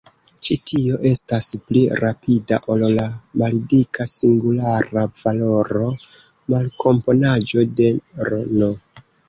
Ĉi tio estas pli rapida ol la maldika singulara valoro malkomponaĵo se "r«n".